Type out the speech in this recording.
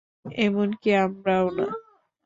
এমনকি আমরাও না?